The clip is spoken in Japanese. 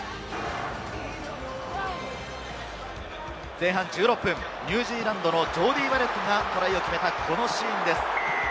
前半１６分、ニュージーランドのジョーディー・バレットがトライを決めたこのシーンです。